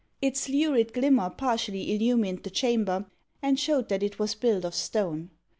Its lurid glimmer partially illumined the chamber, and showed that it was built of stone.